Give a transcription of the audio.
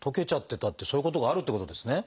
そういうことがあるってことですね。